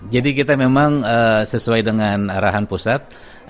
jadi kita memang sesuai dengan arahan pusat